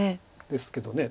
ですけどね。